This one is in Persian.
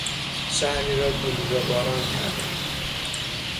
شهری را گلوله باران کردن